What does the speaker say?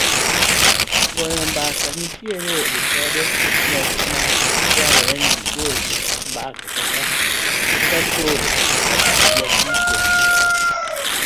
goyo mbaka nitie ripode moko ma dwaro ni igol mbaka kaka koro jandiko